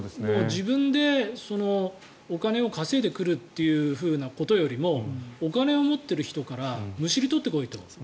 自分でお金を稼いでくることよりもお金を持っている人からむしり取ってこいと。